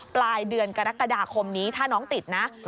ปลายเดือนกรกฎาคมนี้ถ้าน้องติดนะ